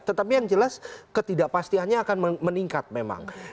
tetapi yang jelas ketidakpastiannya akan meningkat memang